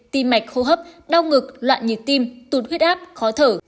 tim mạch khô hấp đau ngực loạn nhiệt tim tụt huyết áp khó thở